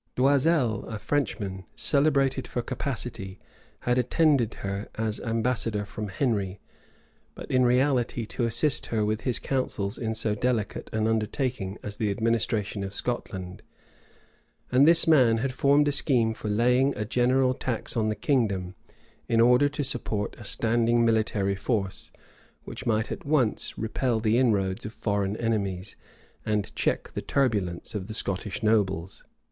D'Oisel, a Frenchman, celebrated for capacity, had attended her as ambassador from Henry, but in reality to assist her with his counsels in so delicate an undertaking as the administration of Scotland; and this man had formed a scheme for laying a general tax on the kingdom, in order to support a standing military force, which might at once repel the inroads of foreign enemies, and check the turbulence of the Scottish nobles.